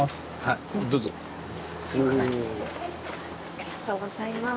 ありがとうございます。